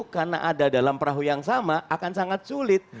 karena ada dalam perahu yang sama akan sangat sulit